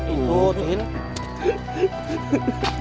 itu tuh ini